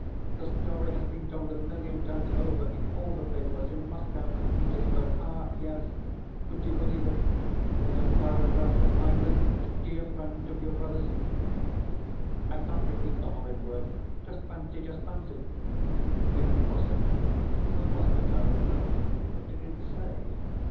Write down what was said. The story has been told a million times over in all the papers in Moscow and Petersburg. Ah! yes, would you believe it, there's a paragraph that I was 'a dear friend' of your brother's ——, I can't repeat the horrid word. Just fancy, just fancy!" "Impossible! Where was the paragraph? What did it say?"